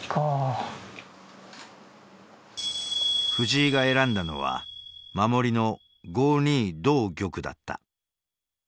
藤井が選んだのは守りの５二同玉だった。